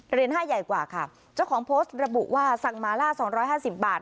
ห้าใหญ่กว่าค่ะเจ้าของโพสต์ระบุว่าสั่งมาล่าสองร้อยห้าสิบบาท